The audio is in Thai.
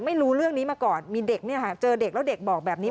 ไม่รู้เรื่องนี้มาก่อนมีเด็กเจอเด็กแล้วเด็กบอกแบบนี้